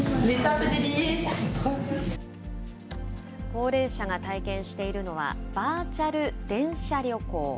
高齢者が体験しているのは、バーチャル電車旅行。